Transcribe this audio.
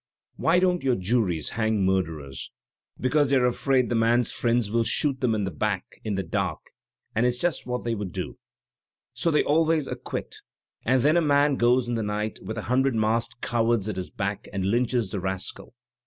Why don't your juries hang mur derers? Because they're afraid the man's friends will shoot them in the back, in the dark — and it's just what they w&uJd do. "" 'So they always acquit; and then a man goes in the night, with a hundred masked cowards at his back, and lynches the rascal.